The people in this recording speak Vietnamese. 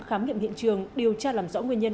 khám nghiệm hiện trường điều tra làm rõ nguyên nhân